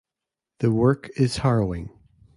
The work is harrowing.